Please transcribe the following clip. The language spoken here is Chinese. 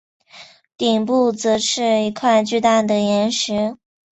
顶部则是一块巨大的岩石。